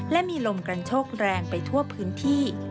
และมีลมกระโชกแรงไปทั่วพื้นที่